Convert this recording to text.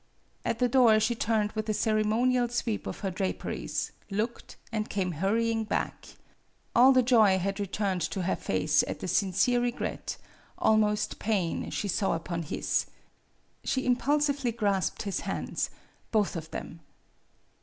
At the door she turned with a ceremonial sweep of her draperies, looked, and came hurrying back. All the joy had returned to her face at the sincere regret almost pain she saw upon his. She impulsively grasped his hands both of them.